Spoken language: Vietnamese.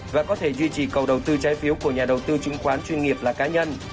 và có thể duy trì cầu đầu tư trái phiếu của nhà đầu tư chứng khoán chuyên nghiệp là cá nhân